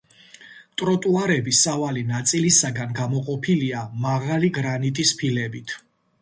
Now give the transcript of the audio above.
ტროტუარები სავალი ნაწილისაგან გამოყოფილია მაღალი გრანიტის ფილებით.